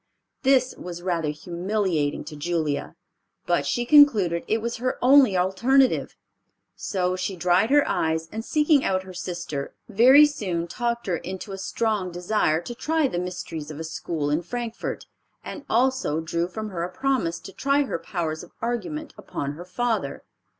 This was rather humiliating to Julia, but she concluded it was her only alternative, so she dried her eyes, and seeking out her sister, very soon talked her into a strong desire to try the mysteries of a school in Frankfort, and also drew from her a promise to try her powers of argument upon her father.